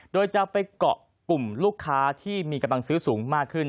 โดยจะไปเกาะกลุ่มลูกค้าที่มีกำลังซื้อสูงมากขึ้น